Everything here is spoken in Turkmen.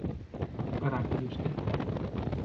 Garaňky düşdi.